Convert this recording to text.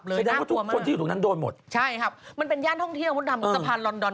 แสดงว่าทุกคนที่อยู่ตรงนั้นโดนหมดใช่ครับมันเป็นย่านท่องเที่ยวมดดำสะพานลอนดอน